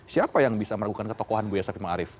siapa yang bisa meragukan ketokohan bu yosef ima arief